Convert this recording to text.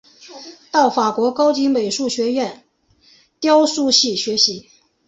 到法国高级美术学院雕塑系学习。